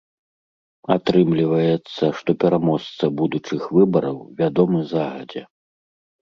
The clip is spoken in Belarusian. Атрымліваецца, што пераможца будучых выбараў вядомы загадзя.